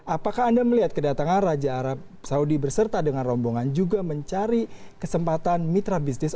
apakah anda melihat kedatangan raja arab saudi berserta dengan rombongan juga mencari kesempatan mitra bisnis